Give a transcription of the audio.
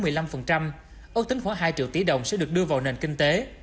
ước tính khoảng hai triệu tỷ đồng sẽ được đưa vào nền kinh tế